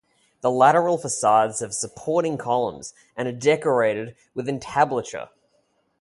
The lateral facades have supporting columns and are decorated with entablature.